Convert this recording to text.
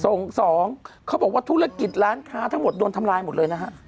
สองเขาบอกว่าธุรกิจร้านค้าทั้งหมดโดนทำลายหมดเลยนะฮะ